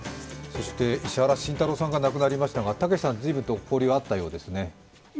石原慎太郎さんが亡くなりましたが、たけしさん、ずいぶんと交流があったようですね。